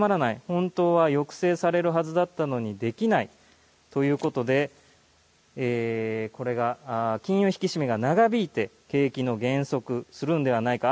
本当は抑制されるはずだったのにできないということでこれが金融引き締めが長引いて景気の減速、するんではないか。